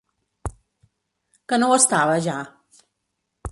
Que no ho estava, ja?